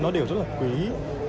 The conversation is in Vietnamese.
nó đều rất là quý